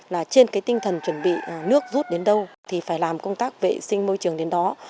là trên cái tinh thần chuẩn bị nước rút đến đâu thì phải làm công tác vệ sinh môi trường đến đó